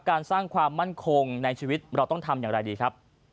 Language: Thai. การสร้างความมั่นคงในชีวิตเราต้องทำอย่างไรดีครับ